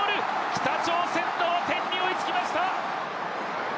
北朝鮮、同点に追いつきました。